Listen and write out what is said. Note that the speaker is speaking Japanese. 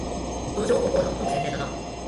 この情報コーナー、ほとんど宣伝だな